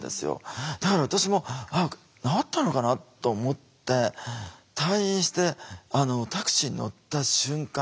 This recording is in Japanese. だから私も「あっ治ったのかな」と思って退院してタクシーに乗った瞬間